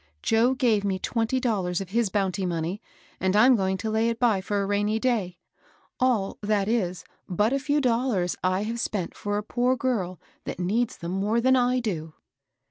Joe gave me twenty dollars of his bounty monqr, and I'm going to lay it by for a rainy day ; all, that is, but a few dollars I have spent for a poor girl that needs them more than I do."